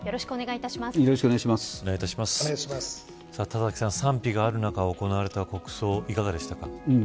田崎さん、賛否がある中行われた国葬いかがでしたか。